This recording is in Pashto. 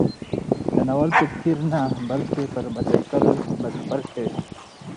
د ناول په څېر نه، بلکې پر بایسکل به سفر کوي.